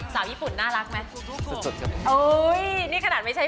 สาวญี่ปุ่นน่ารักไหม